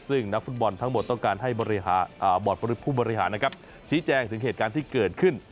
ซึ่งนักฟุตบอลทั้งหมดต้องการให้บอร์ดผู้บริหารนะครับชี้แจงถึงเหตุการณ์ที่เกิดขึ้น